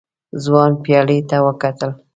ځوان پيالې ته وکتل.